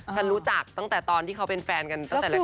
ฉันรู้จักตั้งแต่ตอนที่เขาเป็นแฟนกันตั้งแต่เล็ก